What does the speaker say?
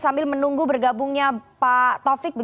selamat sore mbak nana